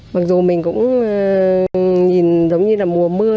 mặc dù mình cũng nhìn giống như là mùa mưa